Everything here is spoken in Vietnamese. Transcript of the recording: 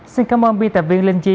xin cảm ơn biên tập viên linh chi